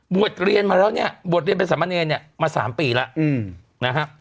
บวชเรียนมาบวชเรียนเป็นสามเนียนมา๓ปีแล้ว